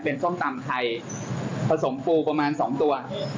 ส้มตำไทยผสมปูประมาณ๒ตัว